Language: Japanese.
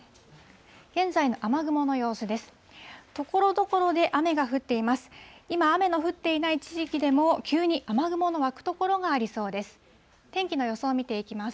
現在の雨雲の様子です。